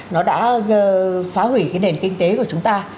nó đã phá hủy cái nền kinh tế của chúng ta